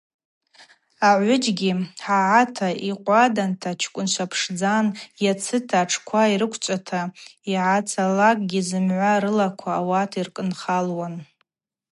Агӏвыджьгьи хӏагӏата, йкъваданта чкӏвынчва пшдзан: йацыта атшква йрыквчӏвата йъацалакӏгьи зымгӏва рылаква ауат йыркӏынхалуан.